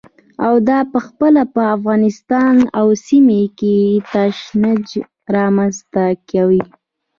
او دا پخپله په افغانستان او سیمه کې تشنج رامنځته کوي.